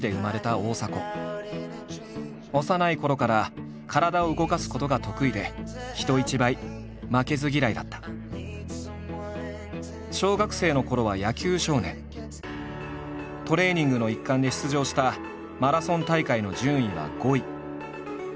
幼いころから体を動かすことが得意で人一倍小学生のころはトレーニングの一環で出場したマラソン大会の順位は５位。